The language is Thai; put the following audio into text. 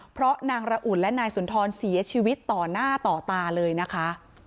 เพราะนางระอุ่นและนายสุนทรเสียชีวิตต่อหน้าต่อตาเลยนะคะ